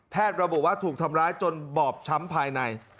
ระบุว่าถูกทำร้ายจนบอบช้ำภายใน